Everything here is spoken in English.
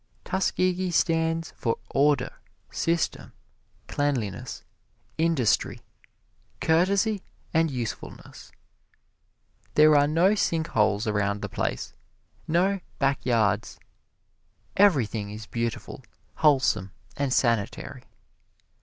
Tuskegee stands for order, system, cleanliness, industry, courtesy and usefulness. There are no sink holes around the place, no "back yards." Everything is beautiful, wholesome and sanitary.